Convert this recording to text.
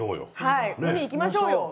はい海行きましょうよ！